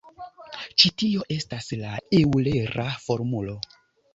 Ĉi tio estas la eŭlera formulo.